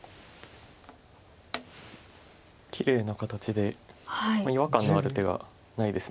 きれいな形で違和感のある手がないです。